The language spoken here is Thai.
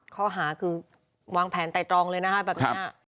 ข้อหาคือวางแผนไต่ตรองเลยนะคะแบบนี้